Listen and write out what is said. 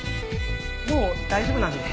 もう大丈夫なので。